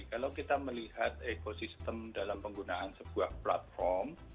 kalau kita melihat ekosistem dalam penggunaan sebuah platform